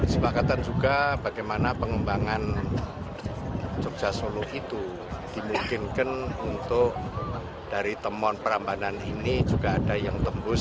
sepakatan juga bagaimana pengembangan jogja solo itu dimungkinkan untuk dari temuan perambanan ini juga ada yang tembus